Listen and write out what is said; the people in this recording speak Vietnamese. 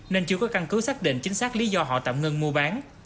nên chưa có căn cứ xác định chính xác lý do họ tạm ngưng mua bán